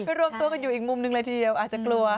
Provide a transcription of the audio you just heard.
รวมตัวกันอยู่อีกมุมหนึ่งเลยทีเดียวอาจจะกลัว